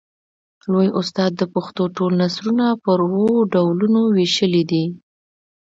لوى استاد د پښتو ټول نثرونه پر اوو ډولونو وېشلي دي.